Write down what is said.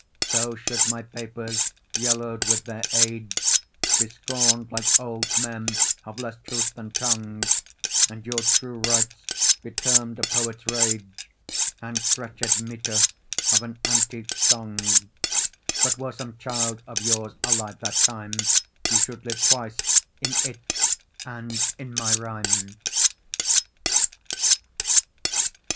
So should my papers, yellow'd with their age, Be scorn'd, like old men of less truth than tongue, And your true rights be term'd a poet's rage And stretched metre of an antique song: But were some child of yours alive that time, You should live twice,—in it, and in my rhyme.